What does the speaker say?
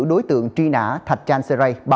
tên tượng tri nã thạch chan seray